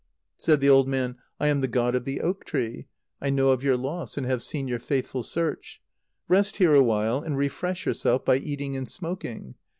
Said the old man: "I am the god of the oak tree. I know of your loss, and have seen your faithful search. Rest here awhile, and refresh yourself by eating and smoking.